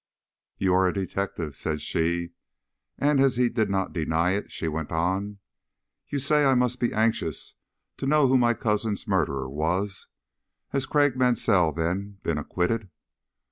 "You are a detective," said she, and as he did not deny it, she went on: "You say I must be anxious to know who my cousin's murderer was. Has Craik Mansell, then, been acquitted?"